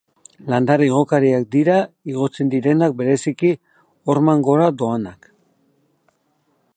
Landare igokariak dira igotzen direnak, bereziki horman gora doanak.